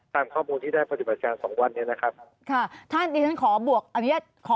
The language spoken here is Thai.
ตามข้อมูลที่ได้ปฏิบัติการสองวันนี้นะครับท่านขอบวกขอ